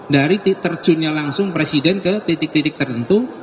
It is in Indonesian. dari terjunnya langsung presiden ke titik titik tertentu